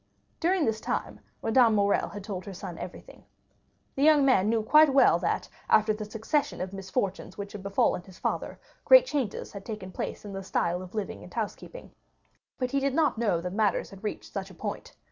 During this time, Madame Morrel had told her son everything. The young man knew quite well that, after the succession of misfortunes which had befallen his father, great changes had taken place in the style of living and housekeeping; but he did not know that matters had reached such a point.